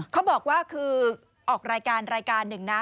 เขาบอกว่าคือออกรายการหนึ่งนะ